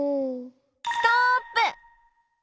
ストップ！